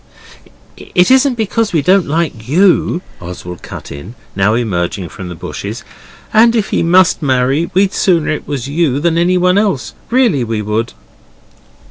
'It isn't because we don't like YOU,' Oswald cut in, now emerging from the bushes, 'and if he must marry, we'd sooner it was you than anyone. Really we would.